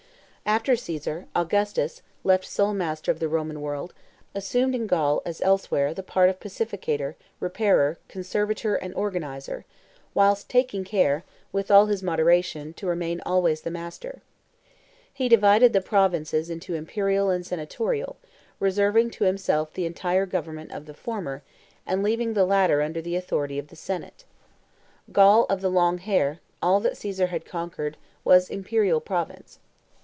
After Caesar, Augustus, left sole master of the Roman world, assumed in Gaul, as elsewhere, the part of pacificator, repairer, conservator, and organizer, whilst taking care, with all his moderation, to remain always the master. He divided the provinces into imperial and senatorial, reserving to himself the entire government of the former, and leaving the latter under the authority of the senate. Gaul "of the long hair," all that Caesar had conquered, was imperial province.